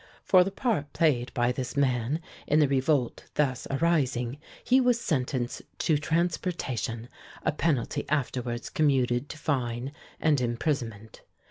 For the part played by this man in the revolt thus arising, he was sentenced to transportation, a penalty afterwards commuted to fine and imprisonment.